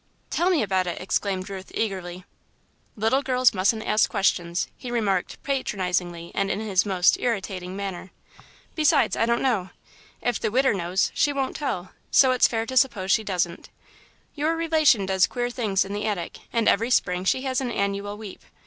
"Tell me about it!" exclaimed Ruth, eagerly. "Little girls mustn't ask questions," he remarked, patronisingly, and in his most irritating manner. "Besides, I don't know. If the 'Widder' knows, she won't tell, so it's fair to suppose she doesn't. Your relation does queer things in the attic, and every Spring, she has an annual weep.